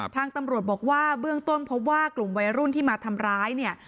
ทางตำรวจบอกว่าเบื้องต้นพบว่ากลุ่มวัยรุ่นที่มาทำร้ายเนี่ย